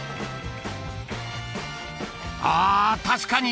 ［あー確かに！